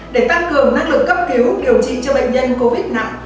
để tăng cường năng lực cấp cứu điều trị cho bệnh nhân covid nặng